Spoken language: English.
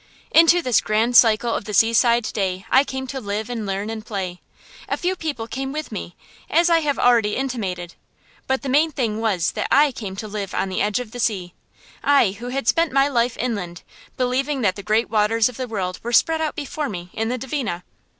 Into this grand cycle of the seaside day I came to live and learn and play. A few people came with me, as I have already intimated; but the main thing was that I came to live on the edge of the sea I, who had spent my life inland, believing that the great waters of the world were spread out before me in the Dvina.